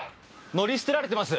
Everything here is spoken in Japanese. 乗り捨てられてます。